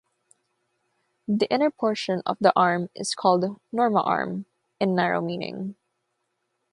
The inner portion of the Arm is called "Norma Arm" in narrow meaning.